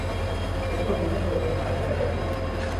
และช่วงนี้ถ้าช่วยเหลือใครไม่ได้แล้วจริง